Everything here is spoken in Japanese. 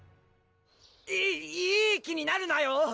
いいい気になるなよ！